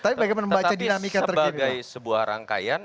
tetapi sebagai sebuah rangkaian